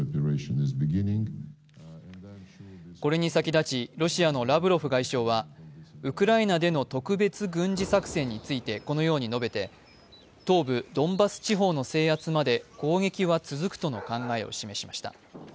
これに先立ち、ロシアのラブロフ外相はウクライナでの特別軍事作戦についてこのように述べて東部ドンバス地方の制圧まで攻撃は続くとの考えを示しました。